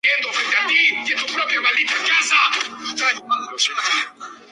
A los diez años emigró con su familia a Cataluña.